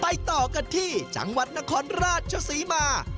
ต่อกันที่จังหวัดนครราชศรีมา